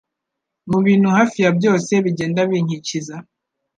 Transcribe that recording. Mubintu hafi ya byose bigenda binkikiza.